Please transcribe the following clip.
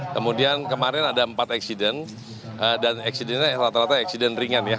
kemudian kemarin ada empat eksiden dan eksidennya rata rata eksiden ringan ya